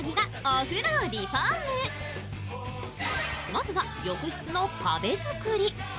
まずは、浴室の壁作り。